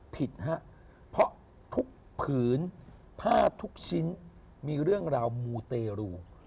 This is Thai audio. ผิดฮะเพราะทุกผืนผ้าทุกชิ้นมีเรื่องราวมูเตรู